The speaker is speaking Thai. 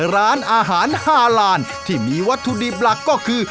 ร้านอาหาร๕ลานที่มีวัตถุดิบหลักก็คือ